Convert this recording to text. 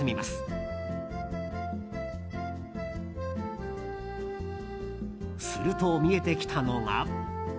すると、見えてきたのが。